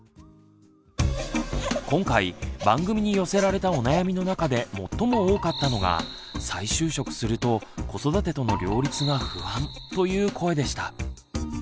今回番組に寄せられたお悩みの中で最も多かったのが「再就職すると子育てとの両立が不安」という声でした。